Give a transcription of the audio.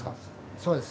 そうです。